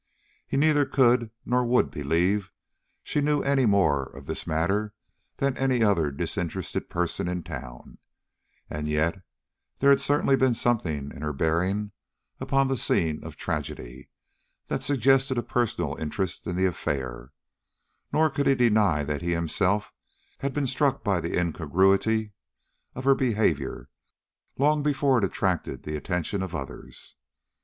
He neither could nor would believe she knew more of this matter than any other disinterested person in town, and yet there had certainly been something in her bearing upon the scene of tragedy, that suggested a personal interest in the affair; nor could he deny that he himself had been struck by the incongruity of her behavior long before it attracted the attention of others.